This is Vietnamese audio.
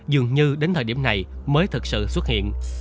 dường như đến thời điểm này mới thực sự xuất hiện